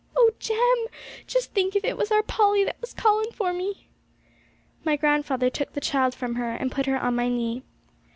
'Oh, Jem, just think if it was our Polly that was calling for me!' My grandfather took the child from her, and put her on my knee.